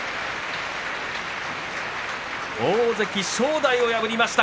大関正代を破りました。